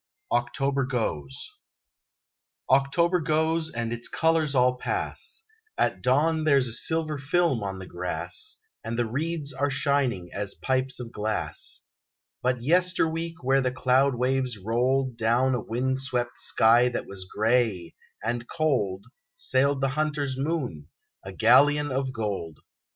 OCTOBER GOES October goes, and its colors all pass: At dawn there's a silver film on the grass, And the reeds are shining as pipes of glass, But yesterweek where the cloud waves rolled Down a wind swept sky that was grey, and cold, Sailed the hunter's moon, a galleon of gold!